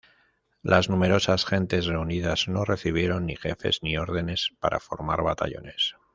Las numerosas gentes reunidas no recibieron ni jefes ni órdenes para formar batallones.